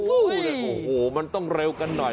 โอ้โหมันต้องเร็วกันหน่อย